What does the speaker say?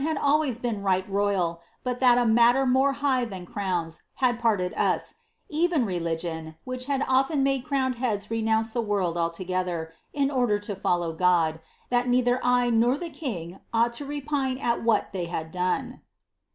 had always been right royal, but that a matter more high than crowns had parted us ; even religion, which had often made crowned heads renounce the world altngethor, in order to follow God, and that neither I, nor the king ought to repine at what thev had done."'